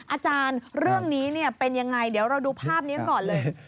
อาจารย์เรื่องนี้เป็นยังไงเดี๋ยวเราดูภาพนี้ก่อนเลย